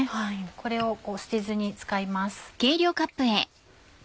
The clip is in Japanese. これを捨てずに使います。